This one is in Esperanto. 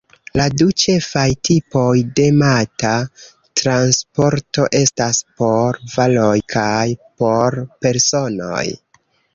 La du ĉefaj tipoj de mata transporto estas por varoj kaj por personoj.